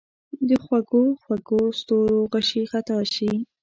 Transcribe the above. د خوږو، خوږو ستورو غشي خطا شي